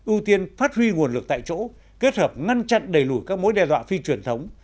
ưu tiên phát huy nguồn lực tại chỗ kết hợp ngăn chặn đẩy lùi các mối đe dọa phi truyền thống